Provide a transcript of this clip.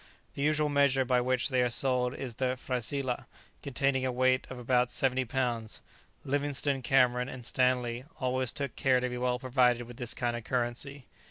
The usual measure by which they are sold is the frasilah, containing a weight of about 70 lbs. Livingstone, Cameron and Stanley always took care to be well provided with this kind of currency.